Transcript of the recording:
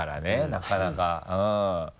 なかなか。